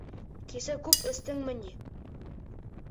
Кисә күп эстеңме ни?